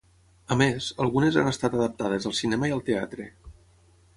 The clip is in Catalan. A més, algunes han estat adaptades al cinema i al teatre.